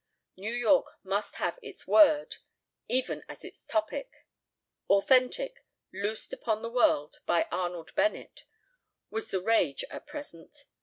New York must have its Word, even as its topic. "Authentic," loosed upon the world by Arnold Bennett, was the rage at present.